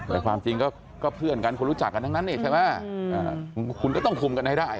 แต่ความจริงก็เพื่อนกันคนรู้จักกันทั้งนั้นนี่ใช่ไหมคุณก็ต้องคุมกันให้ได้